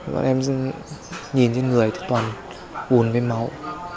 bọn em nhìn trên người thì toàn buồn với máu